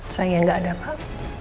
saya gak ada pak